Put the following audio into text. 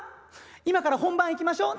今から本番行きましょう」。